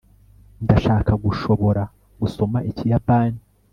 ndashaka gushobora gusoma ikiyapani